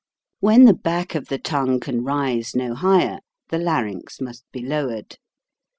When the back of the tongue can rise no higher, the larynx must be lowered.